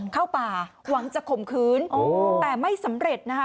เข้าป่าหวังจะข่มขืนแต่ไม่สำเร็จนะคะ